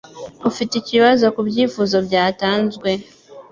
Ufite ikibazo kubyifuzo byatanzwe?